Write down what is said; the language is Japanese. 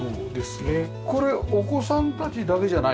これお子さんたちだけじゃないの？